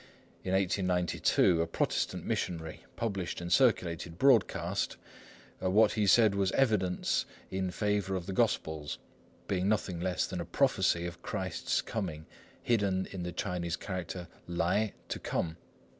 In 1892 a Protestant missionary published and circulated broadcast what he said was "evidence in favour of the Gospels," being nothing less than a prophecy of Christ's coming hidden in the Chinese character 來 "to come."